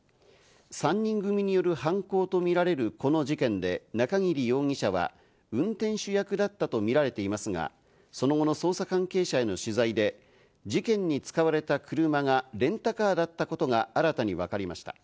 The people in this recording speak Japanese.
３人組による犯行とみられるこの事件で、中桐容疑者は運転手役だったとみられていますが、その後の捜査関係者への取材で事件に使われた車がレンタカーだったことが新たに分かりました。